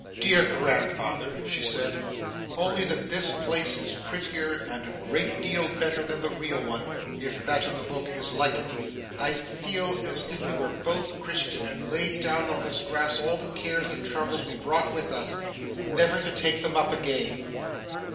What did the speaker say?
'Dear grandfather,' she said, 'only that this place is prettier and a great deal better than the real one, if that in the book is like it, I feel as if we were both Christian, and laid down on this grass all the cares and troubles we brought with us; never to take them up again.